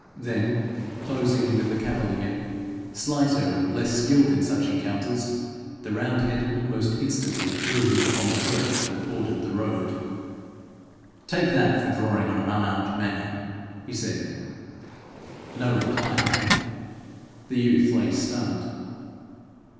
Then closing with the cavalier, slighter and less skilled in such encounters, the roundhead almost instantly threw him upon the turf that bordered the road. 'Take that for drawing on an unarmed man,' he said. No reply came. The youth lay stunned.